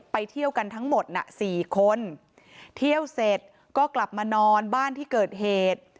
เที่ยวกันทั้งหมดน่ะสี่คนเที่ยวเสร็จก็กลับมานอนบ้านที่เกิดเหตุ